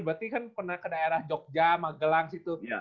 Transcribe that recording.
berarti kan pernah ke daerah jogja magelang gitu